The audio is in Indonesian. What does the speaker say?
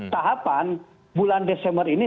tahapan bulan desember ini